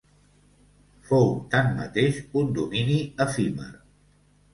Fou, tanmateix, un domini efímer.